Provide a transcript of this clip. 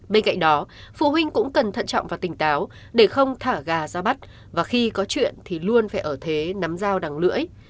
bên cạnh đó phụ huynh cũng cần thận trọng và tỉnh táo để không thả gà ra bắt và khi có chuyện thì luôn phải ở thế nắm dao đằng lưỡi